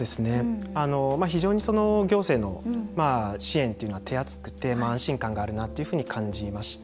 非常に行政の支援というのが手厚くて安心感があるなというふうに感じました。